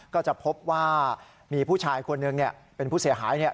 ก็จะพบว่ามีผู้ชายคนหนึ่งเป็นผู้เสียหาย